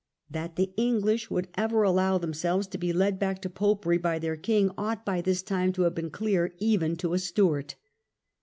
That the English would ever allow themselves to be led back to Popery by their king ought by this time to have been clear even to a Stewart.